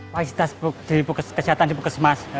fasilitas kesehatan di bukesmas